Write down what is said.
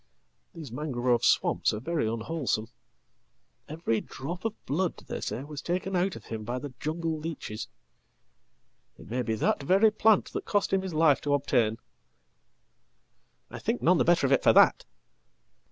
These mangrove swamps are veryunwholesome. Every drop of blood, they say, was taken out of him by thejungle leeches. It may be that very plant that cost him his life toobtain.""I think none the better of it for that.""